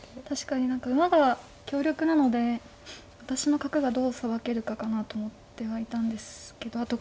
確かに何か馬が強力なので私の角がどうさばけるかかなと思ってはいたんですけど。